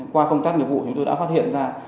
qua công tác nghiệp vụ chúng tôi đã phát hiện ra